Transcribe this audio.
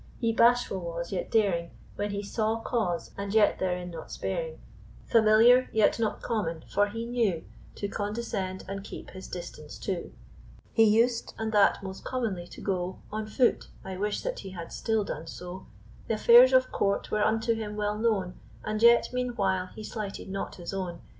He bashful was, yet daring When he saw cause, and yet therein not sparing; Familiar, yet not common, for he knew To condescend, and keep his distance too. He us'd, and that most commonly, to go On foot; I wish that he had still done so. Th' affairs of court were unto him well known; And yet meanwhile he slighted not his own.